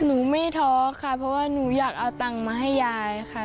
หนูไม่ท้อค่ะเพราะว่าหนูอยากเอาตังค์มาให้ยายค่ะ